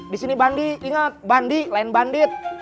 di sini bandi ingat bandi lain bandit